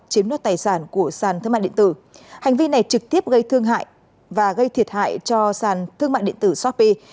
chiếm đoạt tài sản của sàn thương mạng điện tử hành vi này trực tiếp gây thương hại và gây thiệt hại cho sàn thương mại điện tử shopee